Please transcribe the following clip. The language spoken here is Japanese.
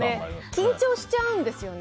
緊張しちゃうんですよね。